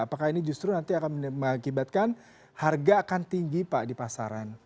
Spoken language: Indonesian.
apakah ini justru nanti akan mengakibatkan harga akan tinggi pak di pasaran